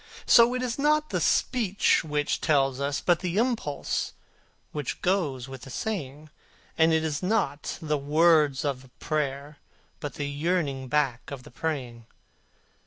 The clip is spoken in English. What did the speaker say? So it is not the speech which tells, but the impulse which goes with the saying; And it is not the words of the prayer, but the yearning back of the praying.